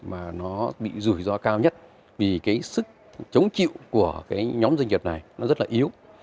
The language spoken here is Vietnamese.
mà nó bị rủi ro cao nhất vì cái sức chống chịu của cái nhóm doanh nghiệp này nó rất là yếu